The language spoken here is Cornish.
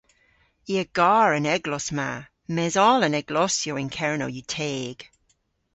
I a gar an eglos ma mes oll an eglosyow yn Kernow yw teg.